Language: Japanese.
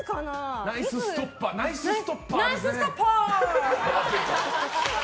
ナイスストッパー！